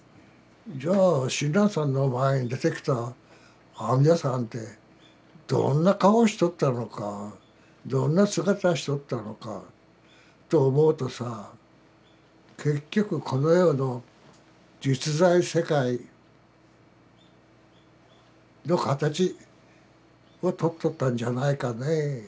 じゃあ親鸞さんの前に出てきた阿弥陀さんってどんな顔しとったのかどんな姿しとったのかと思うとさ結局この世の実在世界の形を取っとったんじゃないかねえ。